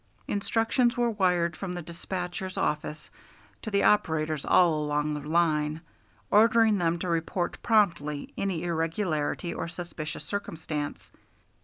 Instructions were wired from the despatcher's office to the operators all along the line, ordering them to report promptly any irregularity or suspicious circumstance.